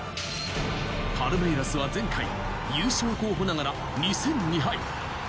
パルメイラスは前回、優勝候補ながら２戦２敗。